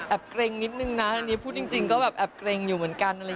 แอบเกรงนิดนึงนะพูดจริงก็แอบเกรงอยู่เหมือนกัน